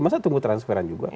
masa tunggu transferan juga